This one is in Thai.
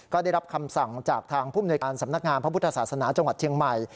ก็ได้รับคำสั่งจากทางผู้มนวยการสำนักงานพระพุทธศาสนาจังหวัดเชียงใหม่